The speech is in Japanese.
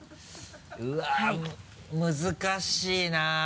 うわ難しいな。